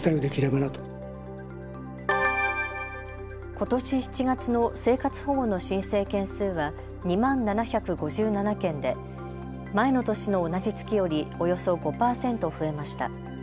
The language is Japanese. ことし７月の生活保護の申請件数は２万７５７件で前の年の同じ月よりおよそ５％増えました。